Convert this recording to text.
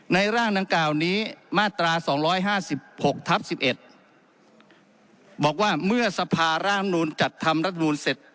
ในร่างดังกล่าวนี้มาตราสองร้อยห้าสิบหกทับสิบเอ็ดบอกว่าเมื่อสภาร่างมนูลจัดทำรัฐมนูลเสร็จ